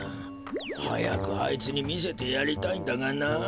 早くあいつに見せてやりたいんだがな。